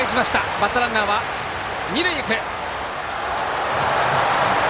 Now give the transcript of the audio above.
バッターランナーは二塁に行く。